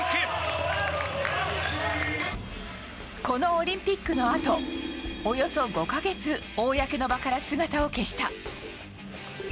このオリンピックのあとおよそ５か月公の場から姿を消した。